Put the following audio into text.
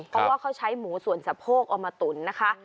เพราะว่าเขาใช้หมูส่วนสะโพกเอามาตุ๋นนะคะ